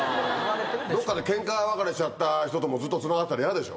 どっかでけんか別れしちゃった人とずっとつながってたら嫌でしょ。